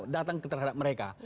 datang terhadap mereka